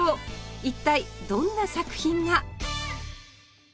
一体どんな作品が？